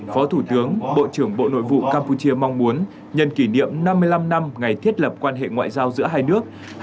phó thủ tướng bộ trưởng bộ nội vụ campuchia mong muốn nhân kỷ niệm năm mươi năm năm ngày thiết lập quan hệ ngoại giao giữa hai nước